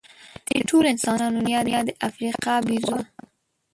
د دې ټولو انسانانو نیا د افریقا بیزو وه.